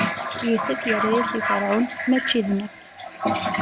Yusef irra-yas i Ferɛun: Mačči d nekk!